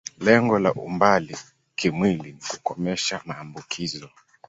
Lengo la umbali kimwili ni kukomesha maambukizo.